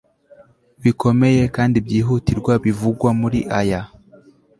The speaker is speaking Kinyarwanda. bikomeye kandi byihutirwa bivugwa muri aya